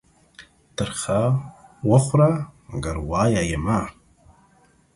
تر خه وخوره ، منگر وايه يې مه.